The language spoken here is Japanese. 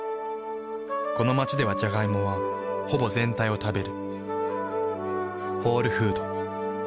この街ではジャガイモはほぼ全体を食べる。